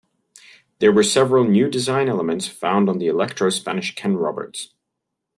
There were several new design elements found on the Electro Spanish Ken Roberts.